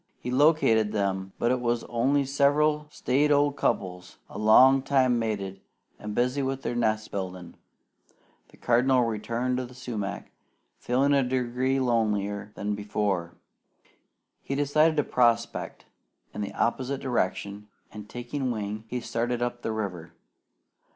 He located them, but it was only several staid old couples, a long time mated, and busy with their nest building. The Cardinal returned to the sumac, feeling a degree lonelier than ever. He decided to prospect in the opposite direction, and taking wing, he started up the river.